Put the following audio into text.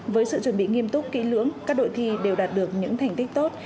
với sự chuẩn bị nghiêm túc kỹ lưỡng các đội thi đều đạt được những thành tích tốt